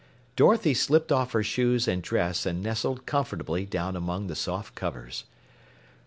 Dorothy slipped off her shoes and dress and nestled comfortably down among the soft covers.